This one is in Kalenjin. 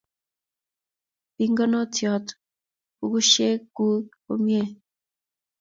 Pingonotin bukusyek kuk komnyee.